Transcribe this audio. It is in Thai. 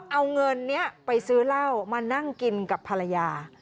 เอาเงินนี้ไปซื้อเหล้ามานั่งกินกับภรรยา